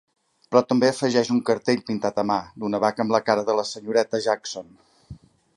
Però també afegeix un cartell pintat a mà d'una vaca amb la cara de la Srta. Jackson.